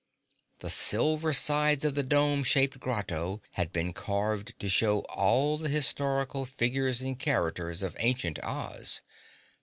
The silver sides of the dome shaped grotto had been carved to show all the historical figures and characters of ancient Oz.